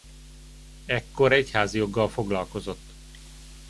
Ekkor egyházjoggal foglalkozott.